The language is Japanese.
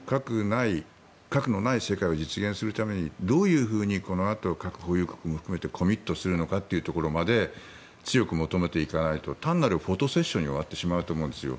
核のない世界を実現するためにどういうふうにこのあと核保有国も含めてコミットするのかというところまで強く求めていかないと単なるフォトセッションに終わってしまうと思うんですよ。